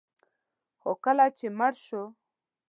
خو کله چې مړ شو